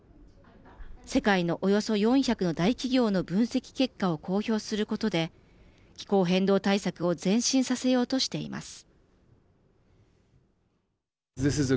世界のおよそ４００の大企業の分析結果を公表することで気候変動対策を前進させようとしています。